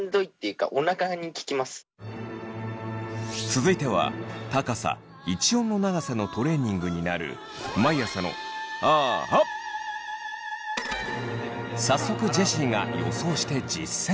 続いては高さ一音の長さのトレーニングになる早速ジェシーが予想して実践！